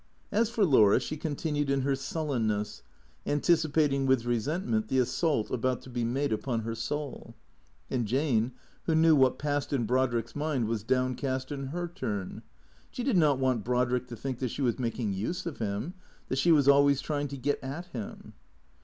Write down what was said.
As for Laura, she continued in her sullenness, anticipating with resentment the assault about to be made upon her soul. And Jane, who knew what passed in Brodrick's mind, was downcast in her turn. She did not want Brodrick to think that she was making use of him, that she was always trying to get at him.